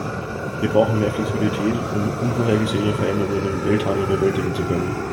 Wir brauchen mehr Flexibilität, um unvorhergesehene Veränderungen im Welthandel bewältigen zu können.